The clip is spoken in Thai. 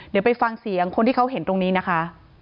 เดี๋ยวไปฟังเสียงคนที่เขาเห็นตรงนี้นะคะ